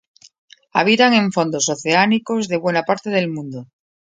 Habitan en fondos oceánicos de buena parte del mundo.